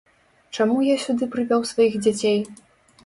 Чаму я сюды прывёў сваіх дзяцей?